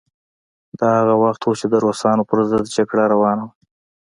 دا هغه وخت و چې د روسانو پر ضد جګړه روانه وه.